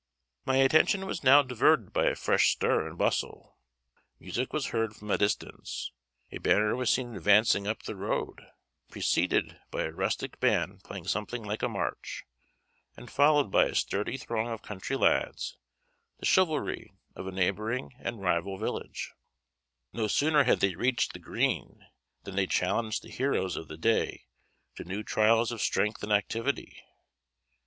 My attention was now diverted by a fresh stir and bustle. Music was heard from a distance; a banner was seen advancing up the road, preceded by a rustic band playing something like a march, and followed by a sturdy throng of country lads, the chivalry of a neighbouring and rival village. [Illustration: May Day Melée] No sooner had they reached the green than they challenged the heroes of the day to new trials of strength and activity.